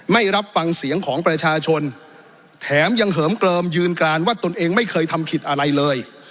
ไม่รับฟังเสียงของประชาชนแถมยังเหิมเกลิมยืนกรานว่าตนเองไม่เคยทำผิดอะไรเลย